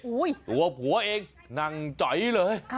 ตัวผัวเองนั่งจอยเลย